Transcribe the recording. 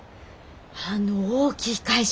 あの大きい会社！